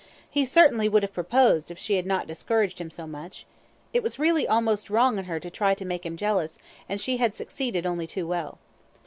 He certainly would have proposed if she had not discouraged him so much; it was really almost wrong in her to try to make him jealous, and she had succeeded only too well.